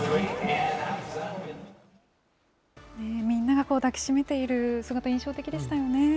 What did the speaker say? みんなが抱き締めている姿、印象的でしたよね。